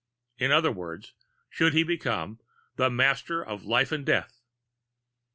In other words, should he become the MASTER OF LIFE AND DEATH?